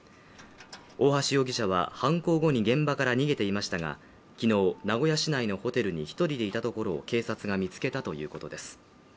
大橋容疑者は、犯行後に現場から逃げていましたが、昨日、名古屋市内のホテルに１人でいたところを警察が見つけたということです。